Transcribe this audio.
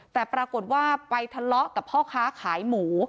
แต่ปรากฏว่าไปทะเลาะกับพ่อค้าขายหมู